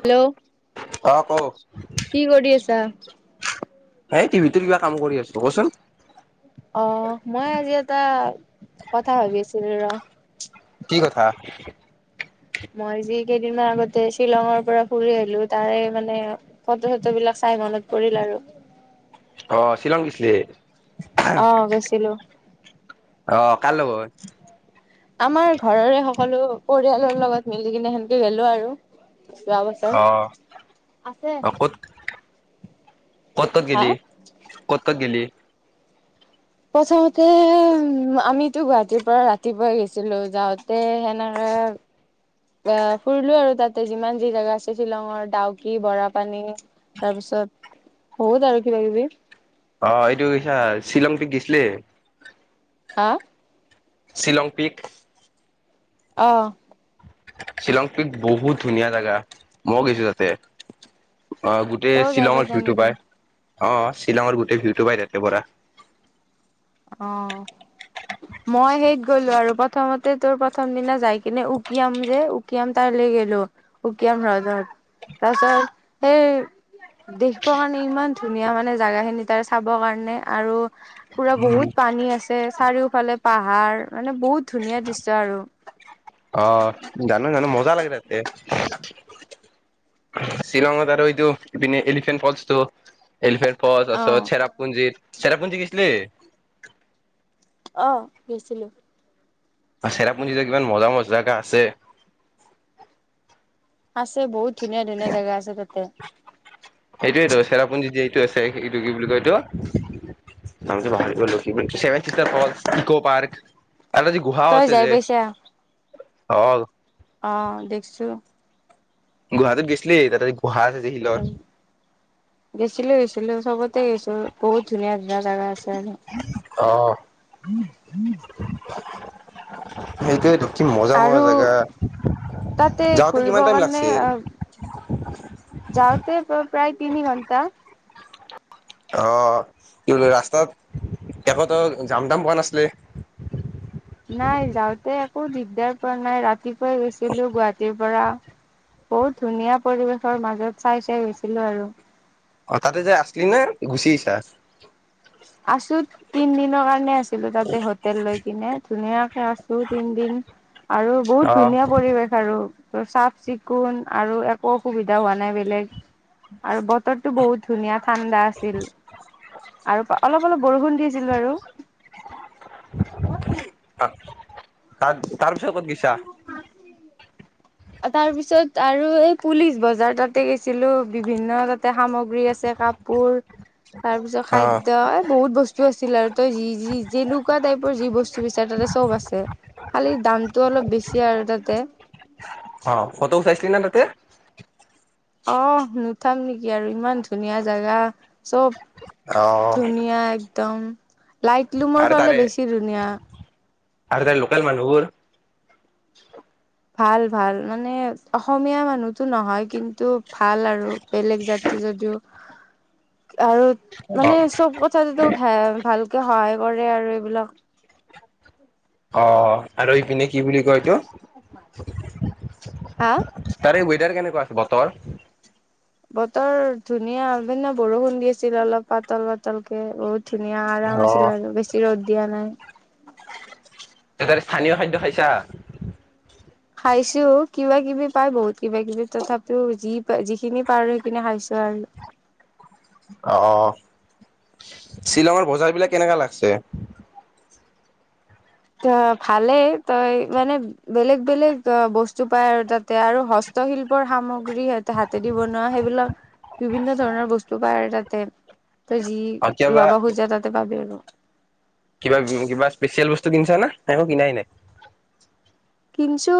Hello. অঁ, ক, কি কৰি আছা? এ টিভিটোৰ কিবা কাম কৰি আছো। কচোন? অঁ, মই আজি এটা কথা ভাবি আছিলোঁ ৰ। কি কথা। মই যি কেইদিনমান আগতে শ্বিলঙৰ পৰা ফুৰি আহলো তাৰে মানে ফটো চটো বিলাক চাই মনত পৰিল আৰু। অঁ, শ্বিলং গৈছিলি অঁ গৈছিলো। অঁ। কাৰ লগত? আমাৰ ঘৰৰে সকলো পৰিয়ালৰ লগত মিলি কিনে সেনেকে গলো আৰু। যোৱা বছৰ অ অ ক'ত আছে। কত, কত হা গেলি কত, কত গেলি? প্ৰথমতে উ আমিতো গুৱাহাটীৰ পৰা ৰাতিপুৱাই গৈছিলো যাওঁতে। নকে [unintelligible] আহ ফুৰিলো আৰু তাতে যিমান যি জাগা আছে শ্বিলঙৰ ডাউকি, বৰাপানী তাৰপিছত বহুত আৰু কিবা কিবি। অ এইটো কৈছা শ্বিলং গৈছিলি হা। শ্বিলং পিক। অঁ। শ্বিলং পীঠ বহুত ধুনীয়া জেগা মই গৈছো তাতে। অঁ গোটেই তইও যাই শ্বিলঙৰ পাইছা ভিউটো নেকি পায়। অ শ্বিলঙৰ গোটেই ভিউটো পাই তাতে পৰা। অঁ মই সেইত, গলো আৰু বাত। প্ৰথমতে তোৰ প্ৰথম দিনা যায়। কিনে উকিযাম যে। উকিয়াম তাই লৈ গলো উকিয়াম হ্ৰদত তাৰ পিছত সেই দেখিব কাৰণে ইমান ধুনীয়া মানে জেগা খিনি তাৰ চাবৰ কাৰণে আৰু। পোৰা। উম বহুত পানী আছে। চাৰিওফালে পাহাৰ মানে বহুত ধুনীয়া দৃশ্য আৰু। অ জানো জানো মজা লাগে তাতে শ্বিলঙত আৰু এইটো ইপিনে এলিফেণ্ট ফলচটো। এলিফেণ্ট অ ফলচটো চেৰাপুঞ্জিত। চেৰাপুঞ্জিত গৈছিলি? অঁ গৈছিলোঁ। চেৰাপুঞ্জী যে কিমান মজা মজা জেগা আছে। আছে বহুত ধুনীয়া ধুনীয়া জেগা আছে তাতে সেইটোয়েতো চেৰাপুঞ্জীত যে আছে সটো কি বুলি কয় এইটো নাম পাহৰি গলো কি বুলি চেভেন চিটাৰ হল ইক পাৰ্ক তাত যি গুহাওঁ তই আছে যাই যে অঁ অঁ দেখিছো গুৱাহাটীত গৈছিলি তাতে গুহাঁ আছে যে শিলৰ গেছিলো গৈছিলো চবতে গৈছো বহুত ধুনীয়া ধুনীয়া জাগা আছে যাই ন অ' সেইটোৱেইতো আৰু তাতে যাওঁতে ঘুৰিব কিমান টাইম কাৰণে লাগছিল অঁ যাওঁতে প্ৰায় তিনি ঘন্টা অঁ ৰাস্তাত একোতো জাম তাম হোৱা নাছিলে নাই যাওঁতে একো দিগদাৰ পৰা নাই ৰাতি কৈ গৈছিলো গুৱাহাটীৰ পৰা বহুত ধুনীয়া পৰিৱেশৰ মাজত চাই চাই গৈছিলো আৰু অঁ তাতে যে আছলি ন গুচি আহিছাঁ আছো তিন দিনৰ কাৰণে আছিলো তাতে হোটেল লৈ কিনে ধুনীয়া আছো তিনদিন আৰু বহুত অ' ধুনীয়া পৰিৱেশ আৰু চাফ চিকুণ আৰু একো অসুবিধা হোৱা নাই বেলেগ আৰু বতৰটো বহুত ধুনীয়া ঠাণ্ডা আছিল আৰু অলপ অলপ বৰষুণ দিছিলো আৰু তাৰ তাৰপিছত ক'ত গৈছা তাৰ পিছত আৰু এই পুলিচ বজাৰ তাতে গৈছিলো বিভিন্ন তাত সামগ্ৰী আছে কাপোৰ তাৰপিছত অ' খাদ্য এ বহুত বস্তু আছে চিলাৰ তই যি যি যেনেকুৱা টাইপৰ যি বস্তু বিচাৰে তাতে চব আছে খালি দামটো অলপ বেছি আৰু তাতে অ ফটোও চাইছিলি না তাতে আহ নুঠাম নেকি আৰু ইমান ধুনীয়া জেগা চব অ' ধুনীয়া এক তম লাইট লুমৰ আৰু ফালে তাৰে বেছি ধুনীয়া। আৰু তাৰ লোকেল মানুহবোৰ। ভাল ভাল মানে, অসমীয়া মানুহতো নহয় কিন্তু। ভাল আৰু বেলেগ জাতি যদিও। আৰু অ মানে চব কথা যেতো হে ভালকে হয়। কৰে আৰু এইবিলাক। অ, আৰু ইপিনে কি বুলি কয় এইটো? হা তাৰে। কেনেকুৱা আছে বতৰ? বতৰ ধুনীয়া বৰষুণ দি আছিলে অলপ পাতল পাতল কে বহুত। ধুনীয়া আৰাম অ আছিল আৰু, বেছি ৰ'দ দিয়া নাই। ত তাতে স্থানীয় খাদ্য খাইছা? খাইছো কিবা কিবি পাই, বহুত কিবা কিবি তথাপিও যি। যিখিনি পাৰো সেইখিনি খাইছো আৰু। অ অ শ্বিলঙৰ বজাৰ বিলাক কেনেকা লাগছে? ত, ভালেই তই মানে বেলেগ বেলেগ বস্তু পাই আৰু তাতে আৰু হস্তশিল্পৰ সামগ্ৰী। হাতেদি বনোৱা সেইবিলাক বিভিন্ন ধৰণৰ বস্তু পায় আৰু তাত। তাতে। তই‌ যি কেতিয়াবা ল'ব খুজা তাতে পাবি‌ আৰু। কিবা কিবা স্পেচিয়েল বস্তু কিনিছা নে না একো কিনাই নাই? কিঞ্চু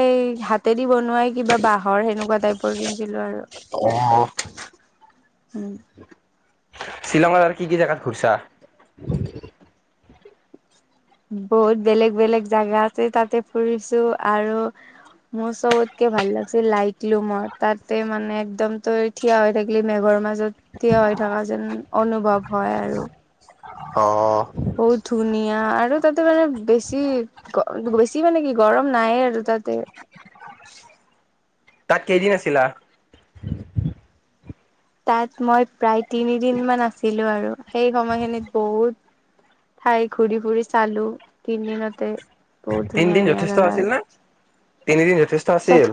এই হাতেত। বনুৱাই কিবা বাহৰ সেনেকুৱা টাইপ। টাইপৰ কিনিছিলো আৰু। অঁ। উম শ্বিলংত আৰু কি কি জেগাত ঘুৰছা? বহুত বেলেগ বেলেগ জাগাতে তাতে ফুৰিছো, আৰু মোৰ চবতকে ভাল লাগিছিল লাইটলুমৰ তাতে মানে একদম তই থিয় হৈ থাকিলি মেঘৰ মাজত থিয় হৈ থকা যেন অনুভৱ হয় আৰু। অঁ। বহুত ধুনীয়া, আৰু তাতে মানে বেছি বেছি মানে কি গৰম নাই আৰু তাতে। তাত কেইদিন আছিলা? তাত মই প্ৰায় তিনিদিন মান আছিলো আৰু, সেই সময়খিনিত বহুত ঠাই ঘূৰি ফুৰি চালো তিনি দিনতে। তিনিদিন যথেষ্ট আছিল ন? তিনিদিন। যথেষ্ট আছিল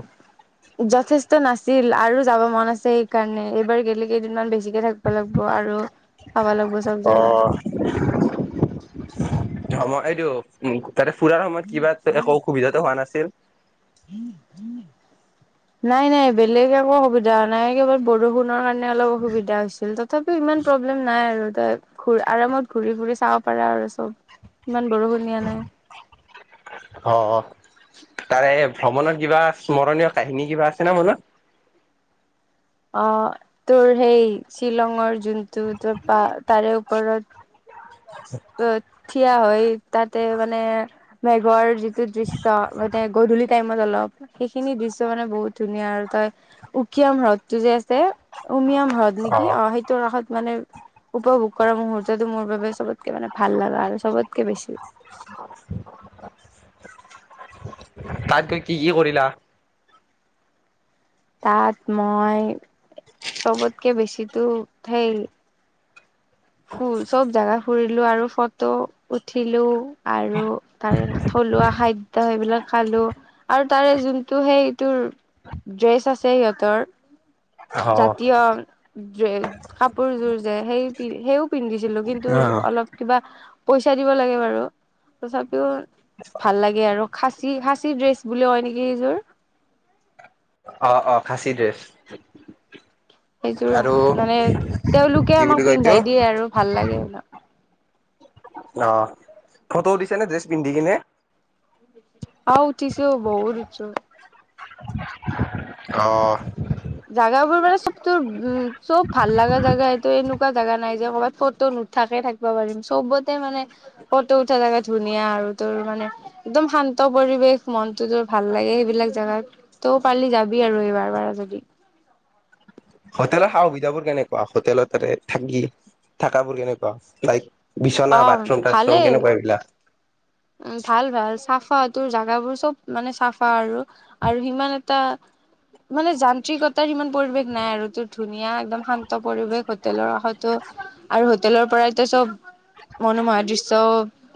যথেষ্ট নাছিল। নাছিল আৰু যাব মন আছে সেইকাৰণে এইবাৰ গলে কেইদিনমান বেছিকে থাকিব লাগিব আৰু। চাব লাগিব চব জাগা অহ। অই এইটো উম [unintelligible] তাৰে ফুৰাৰ সময়ত কিবা এ একো অসুবিধাটো হোৱা নাই? চেল নাই নাই বেলেগ একো অসুবিধা হোৱা নাই কেৱল বৰষুণৰ কাৰণে অলপ অসুবিধা হৈছিল ত তথাপিওঁ ইমান প্ৰব্লেম নাই আৰু। ত ঘ আৰামত ঘূৰি ঘুৰি চাব পাৰা আৰু চব ইমান বৰষুণ দিয়া নাই। অ তাৰে ভ্ৰমণত কিবা স্মৰণীয় কাহিনী কিবা আছে নে মনত। আহ তোৰ সেই শ্বিলঙৰ যোনটো তো তাৰে ওপৰত। অ থিয় হয় তাতে মানে মেঘৰ যিটো দৃশ্য মানে গধূলি। টাইমত অলপ সেইখিনি দৃশ্য মানে বহুত ধুনীয়া আৰু তই উকিয়াম হ্ৰদটো যে আছে। উমিয়াম হ্ৰদ নেকি অ সেইটোৰ ৰাসত মানে- উপভোগ কৰা মুহুৰ্তো মোৰ বাবে চবত মানে ভাল লগা আৰু চবতকে বেছি। তাত গৈ কি কি কৰিলা? তাত মই চবতকে বেছি তো সেই- ফু চব জাগাত ফুৰিলোঁ আৰু ফটো উঠিলোঁ ।আৰু তাৰে থলুৱা খাদ্য সেইবিলাক খালোঁ ।আৰু তাৰে যোনটো সেইটোৰ ড্ৰেছ আছে সিহঁতৰ। অ', জাতীয় ডে কাপোৰযোৰ যে সেই সেইও পিন্ধিছে ছিলো কিন্তু অ', অলপ কিবা পইচা দিব লাগে বাৰু তথাপিও ভাল লাগে আৰু খাচী খাচী ড্ৰেছ বুলি কয় নেকি এইযোৰ। অ অ খাছি ড্ৰেছ। সেইযোৰ আৰু মানে তেওঁলোকে কি বুলি আমাক কয় এইটো পিন্ধাই দিয়ে আৰু ভাল লাগে। নহ অ ফটো দিছে নে ড্ৰেছ পিন্ধি কিনে। অহ উঠিছো বহুত উঠছো। অহ জাগাবোৰ মানে চবতোৰ উম চব ভাল লগা জাগা। এইটো এনেকুৱা জাগা নাই যে কৰ'ৰবাত ফটো নুথাকে থাকিব পাৰিম। চবতে মানে ফটো উঠা জাগা ধুনীয়া আৰু তোৰ মানে একদম শান্ত পৰিৱেশ ।মনটো তোৰ ভাল লাগে সেইবিলাক জাগাত তই পাৰিলে যাবি আৰু এইবাৰ বাৰ যদি। হোটেলৰ সা- সুবিধাবোৰ কেনেকুৱা হোটেলত থাকি থাকাবোৰ কেনেকুৱা চাইজ। বিছনা অ বাথৰুম তথৰুম ভালেই কেনেকুৱা এইবিলাক? উম ভাল ভাল চাফ অ তোৰ জাগাবোৰ চব মানে চাফা আৰু আৰু সিমান এটা মানে যান্ত্ৰিকতাৰ সিমান পৰিৱেশ নাই। আৰু তোৰ ধুনীয়া একদম শান্ত পৰিৱেশ। হোটেলৰ কাষতো আৰু হোটেলৰ পৰাইতো চব মনোমোহা দৃশ্যও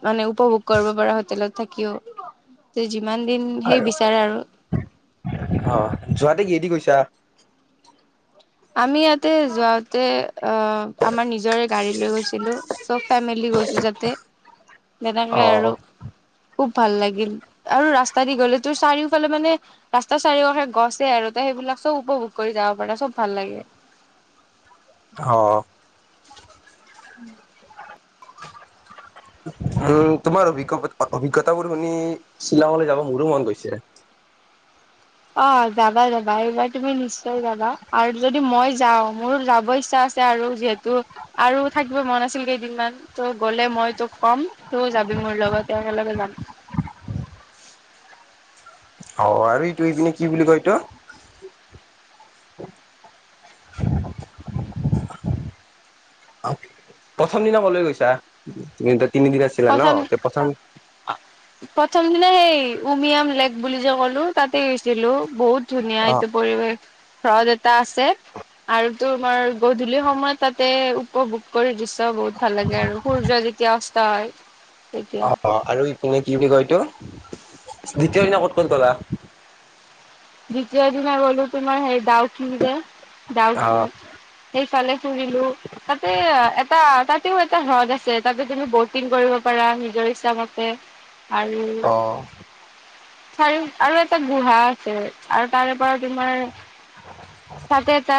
মানে উপভোগ। কৰিব পাৰা হোটেলত থাকিও যিমান দিন সেই বিচাৰে আৰু। অ', যোৱাতে কি হেদি গৈছা। আমি ইয়াতে যাওঁতে আহ আমাৰ নিজৰে গাড়ী লৈ গৈছিলোঁ চব ফেমেলি গৈছোঁ যাতে। তেনেকে অ আৰু খুব ভাল লাগিল আৰু ৰাস্তা দি গ'লে তোৰ চাৰিওফালে মানে ৰাস্তাৰ চাৰিওকাষে গছে আৰু ত সেইবিলাক চব উপভোগ কৰি যাব পাৰা চব। ভাল লাগে অ উম আৰু তোমাৰ অভিজ্ঞ অভিজ্ঞতাবোৰ শুনি শ্বিলংলৈ যাব মোৰো মন গৈছে। অ যাবা যাবা এইবাৰ তুমি নিশ্চয় যাবা আৰু যদি মই যাওঁ মোৰো যাব ইচ্ছা আছে আৰু যিহেতু আৰু থাকিব মন আছিল কেইদিনমান ত গলে মই তোক কম তই যাবি মোৰ লগতে একেলগে যাম অ আৰু এইটো এইপিনে কি বুলি কয় এইটো প্ৰথম দিনা ক'লৈ গৈছা তুমি তিনিদিন আছিলা ন প্ৰথম তে প্ৰথম প্ৰথম দিনা সেই উমিয়াম লেক বুলি যে ক'লো তাতে গৈছিলো বহুত ধুনীয়া অ ইটো পৰিৱেশ হ্ৰদ এটা আছে আৰু তোমাৰ গধূলি সময়ত তাতে উপভোগ কৰি দৃশ্য বহুত ভাল লাগে আৰু সূৰ্য যেতিয়া অস্ত হয় তেতিয়া অ আৰু ইপিনে কি বুলি কয় এইটো । [unintelligible] দ্বিতীয় দিনা কত গলা দ্বিতীয় দিনা গ'লো তোমাৰ সেই দাউকি যে অ দাউকি সেই সেইফালে ফুৰিলো । তাতে এটা তাত তেতেও এটা হ্ৰদ আছে তাতে তুমি ব'টিং কৰিব পাৰা নিজৰ ইচ্ছা মতে আৰু অ চাৰি আৰু এটা গুহা আৰু তাৰে পৰা তোমাৰ তাতে এটা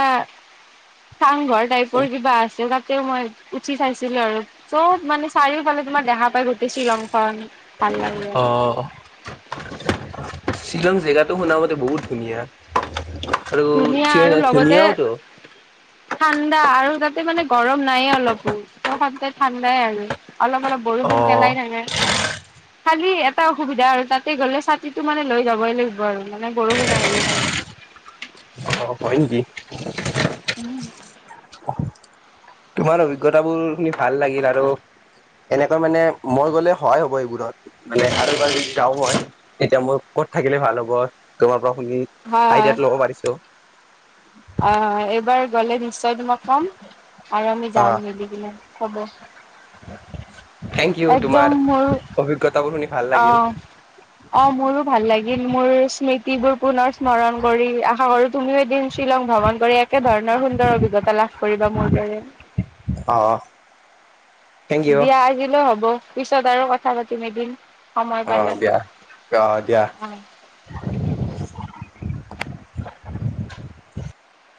তাং ঘৰ টাইপৰ কিবা আছে ত মই উঠি চাইছিলো আৰু চবত মানে চাৰিও পালে তোমাৰ দেখা উপায় কৰছ ৰংখন ভাল লাগিলে অ । শ্বিলং জেগাতটো শুনা মতে বহুত ধুনীয়া আৰু চ ধুনীয়া ন আৰু লগতে ধুনিয়াওটো ঠাণ্ডা আৰু তাতে মানে গৰম নাইে অলপো ত স ঠাণ্ডাই আৰু অলপ অলপ বৰ অ গন পলাই থাকে খালি এটা অসুবিধা আৰু তাতে গ'লে ছাতিটো মানে লৈ যাবই লাগিব আৰু মানে বৰষু নাই দিয়েই কাৰণেই অ হয় নকি । [unintelligible] উম তোমাৰ অভিজ্ঞতাাবোৰ শুনি ভাল লাগিল আৰু এনেকা মানে মই গলে সহায় হব এইবোৰত মানে আৰুব যদি যাওঁ মই তেতিয়া মোৰ কত থাকিলে ভাল হব তোমাৰ শুনি আইডিয়াত ল'ব পাৰিছো হয় হয় অ এইবাৰ গ'লে । নিশ্চয় তোমাক ক'ম আৰু আমি অ যাম যদি কিনে হ'ব । থেংক ইউ তোমাৰ অভিজ্ঞতাাবোৰ শুনি ভাল লাগিল আহ অ মোৰো ভাল লাগিল মোৰ স্মৃতিবোৰ পুনৰ স্মৰণ কৰি আশা কৰো তুমিও এদিন শ্বিলং ভ্ৰমণ কৰি একে ধৰণৰ সুন্দৰ অভিজ্ঞতা লাভ কৰিবা মোৰ দৰে অহ দিয়া আজিলে হ'ব। পিছত আৰু কথা পাতিম এদিন। সময় অ পালে। দিয়া অহ দিয়া। [unintelligible]